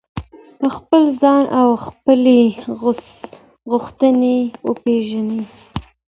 خپل ځان او خپلي غوښتنې وپیژنئ.